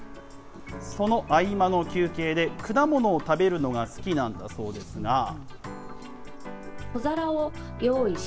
その合間の休憩で、果物を食べるのが好きなんだそうですが。